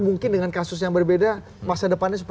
untuk berdialektika disini